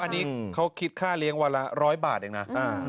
อันนี้เขาคิดค่าเลี้ยงวันละ๑๐๐บาทเองนะ